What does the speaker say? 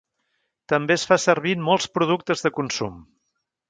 També es fa servir en molts productes de consum.